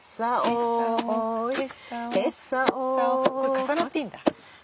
重なっていいんだ。